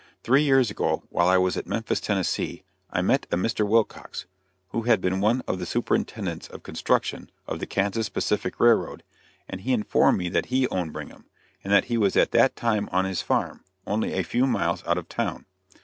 Three years ago, while I was at Memphis, Tennessee, I met a Mr. Wilcox, who had been one of the superintendents of construction of the Kansas Pacific Railroad, and he informed me that he owned Brigham, and that he was at that time on his farm, only a few miles out of town.